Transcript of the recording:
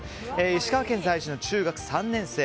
石川県在住の中学３年生。